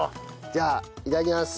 じゃあいただきます。